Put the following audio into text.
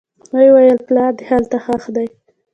ويې ويل پلار دې هلته ښخ دى.